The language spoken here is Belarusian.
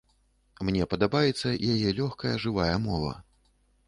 Мне падабаецца яе лёгкая, жывая мова.